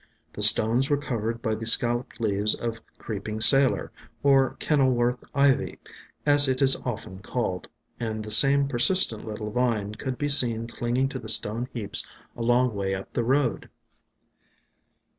The stones were covered by the scalloped leaves of Creep ESCAPED FROM GARDENS 83 ing Sailor, or Kenilworth Ivy, as it is often called, and the same persistent little vine could be seen clinging to the stone heaps a long way up the road.